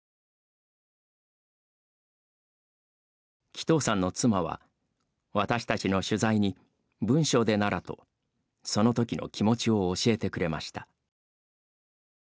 鬼頭さんの妻は、私たちの取材に文章でならとそのときの気持ちを教えてくれました。